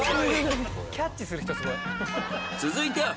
［続いては］